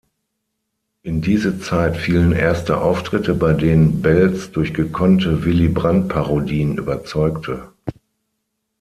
In diese Zeit fielen erste Auftritte, bei denen Beltz durch gekonnte Willy-Brandt-Parodien überzeugte.